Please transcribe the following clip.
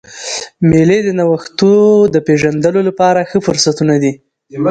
مېلې د نوښتو د پېژندلو له پاره ښه فرصتونه دي.